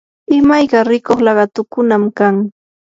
imayka rikuq laqatukunam kan.